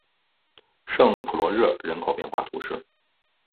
圣普罗热人口变化图示